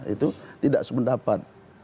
itu tidak sependapat